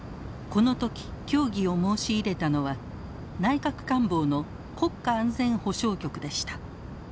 この時協議を申し入れたのは内閣官房の国家安全保障局でした。